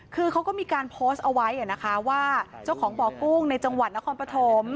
คือเขาก็มีการโพสต์เอาไว้นะคะว่าเจ้าของบ่อกุ้งในจังหวัดนครปฐม